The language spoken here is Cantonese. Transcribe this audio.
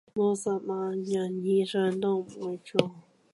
冇十萬人以上都唔會做